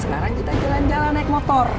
sekarang kita jalan jalan naik motor